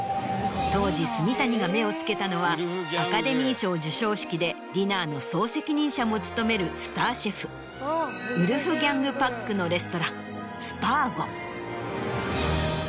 当時住谷が目をつけたのはアカデミー賞授賞式でディナーの総責任者も務めるスターシェフウルフギャング・パックのレストランスパーゴ。